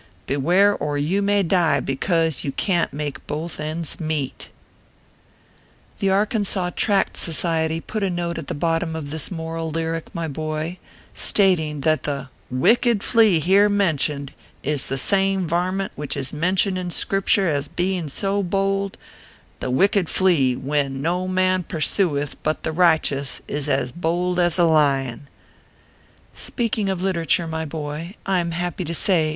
Beware, or you may die because You can t make both ends meet. The Arkansaw Tract Society put a note at the bottom of this moral lyric, my boy, stating that the "wicked flea here mentioned is the same varmint which is mentioned in Scripture as being so bold ; the wicked flea, when no man pursueth but the righteous, is as bold as a lion/ : Speaking of literature, my boy, I am happy to say ORPHEUS C.